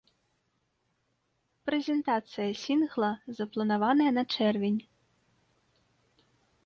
Прэзентацыя сінгла запланаваная на чэрвень.